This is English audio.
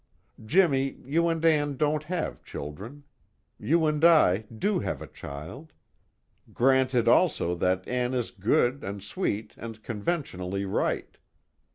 Jimmy, you and Ann don't have children. You and I do have a child. Granted also that Ann is good and sweet and conventionally right.